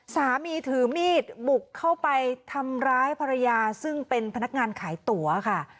สามีถือมีดบุกเข้าไปทำร้ายภรรยาซึ่งเป็นพนักงานขายตั๋วค่ะ